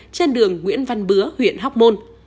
trên đường nguyễn văn bứa huyện hóc môn